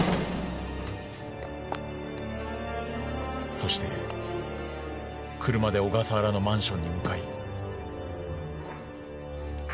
そして車で小笠原のマンションに向かい。